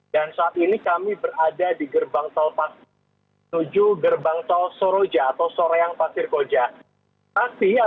dan saat ini kami berada di gerbang tol pasir menuju gerbang tol soroja atau soreang pasir koja